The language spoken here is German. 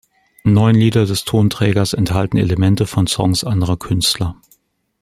Neun Lieder des Tonträgers enthalten Elemente von Songs anderer Künstler.